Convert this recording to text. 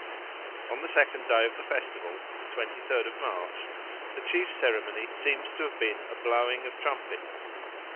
On the second day of the festival, the twenty third of March, the chief ceremony seems to have been a blowing of trumpets.